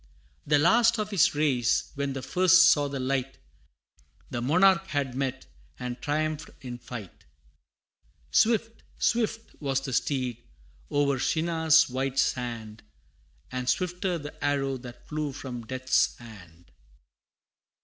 The last of his race, where the first saw the light, The monarch had met, and triumphed in fight: Swift, swift was the steed, o'er Shinar's wide sand, But swifter the arrow that flew from Death's hand!